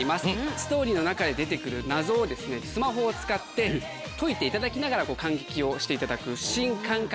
ストーリーの中で出て来る謎をスマホを使って解いていただきながら観劇をしていただく新感覚演劇。